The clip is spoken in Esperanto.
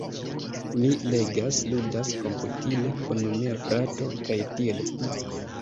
mi legas, ludas komputile kun mia frato, kaj tiel plu.